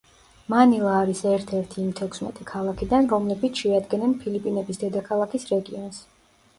მანილა არის ერთ-ერთი იმ თექვსმეტი ქალაქიდან, რომლებიც შეადგენენ ფილიპინების დედაქალაქის რეგიონს.